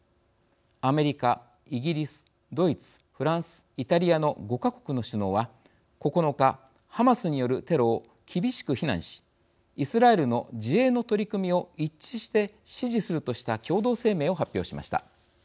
アメリカ、イギリス、ドイツフランス、イタリアの５か国の首脳は、９日ハマスによるテロを厳しく非難しイスラエルの自衛の取り組みを一致して支持するとした共同声明を発表しました。